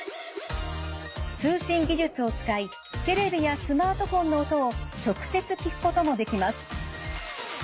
通信技術を使いテレビやスマートフォンの音を直接聞くこともできます。